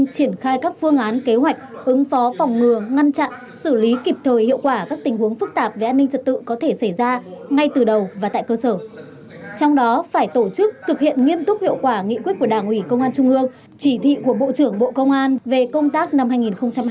trong đó phải tổ chức thực hiện nghiêm túc hiệu quả nghị quyết của đảng ủy công an trung ương